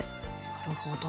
なるほど。